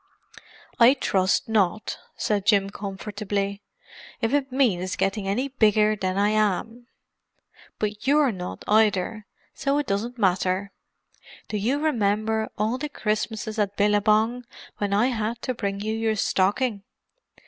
"I trust not," said Jim comfortably—"if it means getting any bigger than I am. But you're not, either, so it doesn't matter. Do you remember all the Christmases at Billabong when I had to bring you your stocking?"